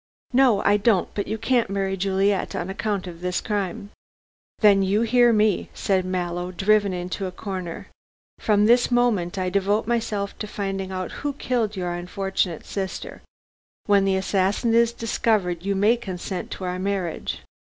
"No I don't. But you can't marry Juliet on account of this crime." "Then you hear me," said Mallow, driven into a corner, "from this moment I devote myself to finding out who killed your unfortunate sister. When the assassin is discovered you may consent to our marriage."